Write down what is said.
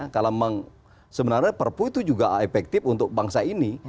kalau memang sebenarnya perpu itu juga efektif untuk bangsa ini